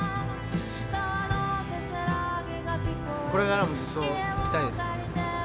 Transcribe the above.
これからもずっと来たいです。